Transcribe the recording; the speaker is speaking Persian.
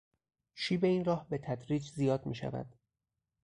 شیب این راه به تدریج زیاد میشود.